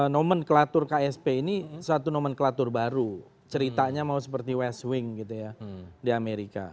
nomenklatur ksp ini satu nomenklatur baru ceritanya mau seperti west wing gitu ya di amerika